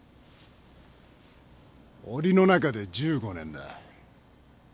オリの中で１５年だ。